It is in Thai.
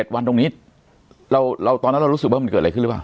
๗วันตรงนี้ตอนนั้นเรารู้สึกว่ามันเกิดอะไรขึ้นหรือเปล่า